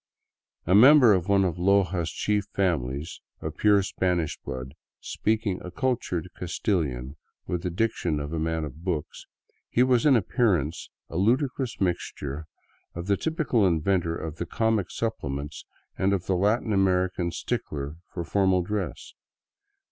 A member of one of Loja's chief families, of pure Spanish blood, speaking a cultured Castilian with the diction of a man of books, he was in appearance a ludicrous mixture of the typical inventor of the comic supplements and of the Latin American stickler for formal dress.